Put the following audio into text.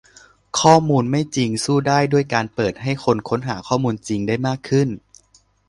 ข้อมูลไม่จริงสู้ได้ด้วยการเปิดให้คนค้นหาข้อมูลจริงได้มากขึ้น